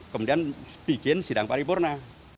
kemudian bikin sidang paripurna